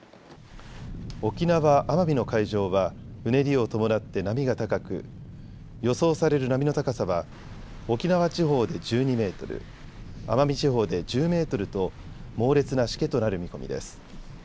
沖縄・奄美の海上はうねりを伴って波が高く予想される波の高さは沖縄地方で１２メートル、奄美地方で１０メートルと猛烈なしけとなる見込みです。